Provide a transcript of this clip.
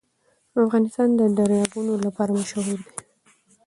افغانستان د دریابونه لپاره مشهور دی.